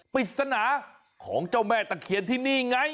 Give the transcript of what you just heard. ปริศนาของเจ้าแม่ตะเคียนที่นี่ไง